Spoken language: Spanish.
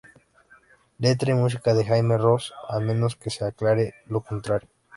Letra y música de Jaime Roos, a menos que se aclare lo contrario.